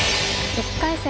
１回戦